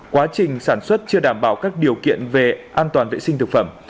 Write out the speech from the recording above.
quá trình sản xuất chưa đảm bảo các điều kiện về an toàn vệ sinh thực phẩm